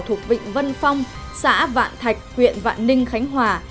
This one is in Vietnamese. thuộc vịnh vân phong xã vạn thạch huyện vạn ninh khánh hòa